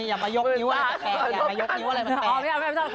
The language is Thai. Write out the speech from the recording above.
อย่ามายกนิ้วอะไรมันแตก